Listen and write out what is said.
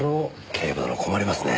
警部殿困りますね。